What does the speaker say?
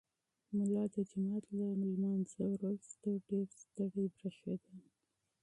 ملا د جومات له لمانځه وروسته ډېر ستړی برېښېده.